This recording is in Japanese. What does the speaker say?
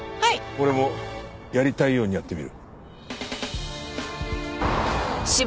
俺もやりたいようにやってみる。